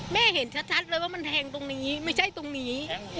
เห็นชัดเลยว่ามันแทงตรงนี้ไม่ใช่ตรงนี้